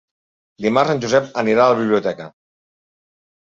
Dimarts en Josep anirà a la biblioteca.